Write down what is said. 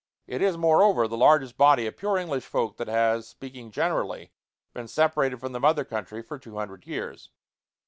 It is, moreover, the largest body of pure English folk that has, speaking generally, been separated from the mother country for two hundred years."